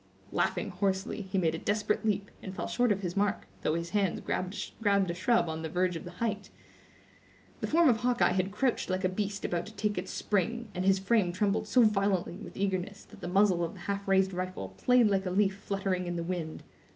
Laughing hoarsely, he made a desperate leap, and fell short of his mark, though his hands grasped a shrub on the verge of the height. The form of Hawkeye had crouched like a beast about to take its spring, and his frame trembled so violently with eagerness that the muzzle of the half raised rifle played like a leaf fluttering in the wind.